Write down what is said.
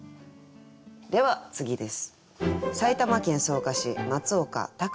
では次です。